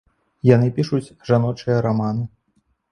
Яны пішуць жаночыя раманы.